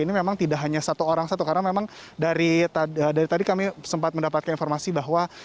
ini memang tidak hanya satu orang satu karena memang dari tadi kami sempat mendapatkan informasi bahwa